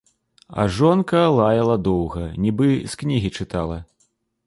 А жонка лаяла доўга, нібы з кнігі чытала.